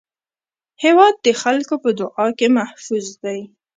هېواد د خلکو په دعا کې محفوظ دی.